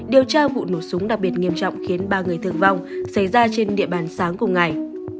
điều tra vụ nổ súng đặc biệt nghiêm trọng khiến ba người thương vong xảy ra trên địa bàn sáng cùng ngày